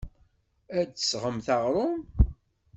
Ad d-tesɣemt aɣrum.